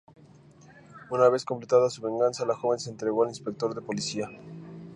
Una vez completada su venganza, la joven se entrega al inspector de policía.